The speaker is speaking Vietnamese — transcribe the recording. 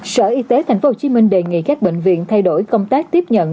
sở y tế tp hcm đề nghị các bệnh viện thay đổi công tác tiếp nhận